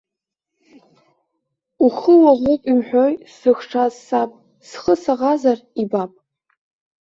Ухы уаӷоуп имҳәои сзыхшаз саб, схы саӷазар ибап.